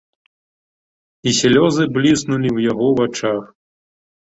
І слёзы бліснулі ў яго вачах.